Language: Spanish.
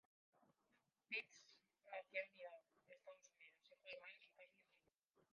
Pitts nació en Idaho, Estados Unidos, hijo de Mark y Carolyn Pitts.